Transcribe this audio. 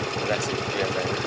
enggak sih biasa aja